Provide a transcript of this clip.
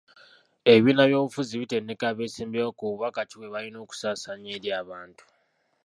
Ebibiina by'obufuzi bitendeka abesimbyewo ku bubaka ki bwe balina okusaasaanya eri abantu.